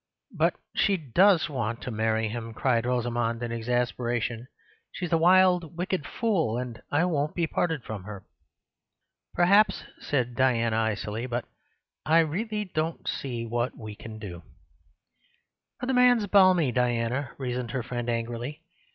"But she DOES want to marry him!" cried Rosamund in exasperation. "She's a wild, wicked fool, and I won't be parted from her." "Perhaps," said Diana icily, "but I really don't see what we can do." "But the man's balmy, Diana," reasoned her friend angrily.